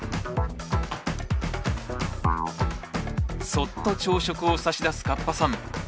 そっと朝食を差し出すカッパさん。